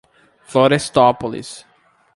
Florestópolis